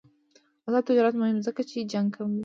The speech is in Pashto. آزاد تجارت مهم دی ځکه چې جنګ کموي.